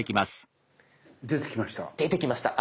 出てきました。